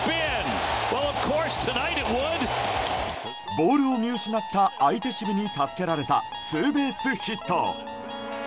ボールを見失った相手守備に助けられたツーベースヒット。